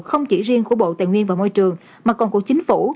không chỉ riêng của bộ tài nguyên và môi trường mà còn của chính phủ